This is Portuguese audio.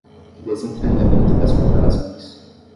desentranhamento das contrarrazões